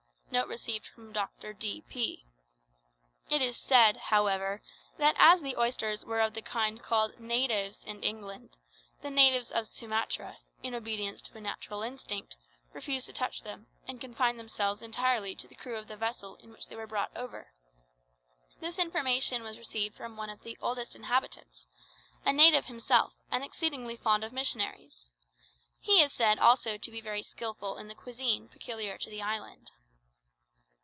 (Note received from Dr. D. P.) It is said, however, that, as the oysters were of the kind called natives in England, the natives of Sumatra, in obedience to a natural instinct, refused to touch them, and confined themselves entirely to the crew of the vessel in which they were brought over. This information was received from one of the oldest inhabitants, a native himself, and exceedingly fond of missionaries. He is said also to be very skilful in the cuisine peculiar to the island.